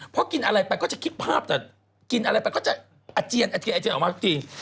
เพราะกินอะไรไปก็จะคิดภาพแต่กินอะไรไปก็จะอาเจียนออกมาจริง